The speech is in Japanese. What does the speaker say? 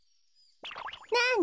なに？